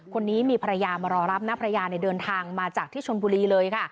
คนนี้มีภรรยามารอรับผู้นำภรรยาเดินทางมาจากชนบุรี